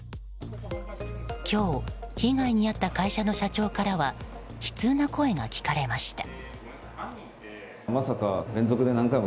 今日、被害に遭った会社の社長からは悲痛な声が聞かれました。